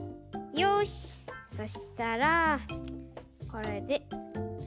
よしそしたらこれで。